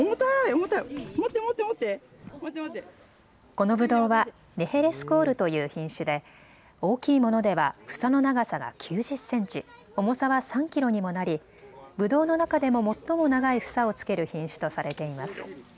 このぶどうはネヘレスコールという品種で大きいものでは房の長さが９０センチ、重さは３キロにもなりぶどうの中でも最も長い房をつける品種とされています。